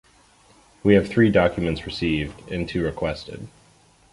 We have three documents received and two requested.